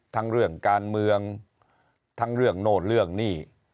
ทั้งเรื่องการเมืองทั้งเรื่องโน่นเรื่องหนี้